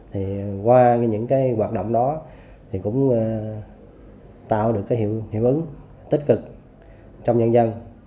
thì qua những cái hoạt động đó thì cũng tạo được cái hiệu ứng tích cực trong nhân dân